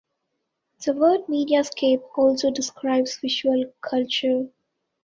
The word "mediascape" also describes visual culture.